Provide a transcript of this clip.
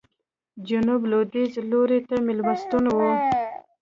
جنوب لوېدیځ لوري ته مېلمستون و.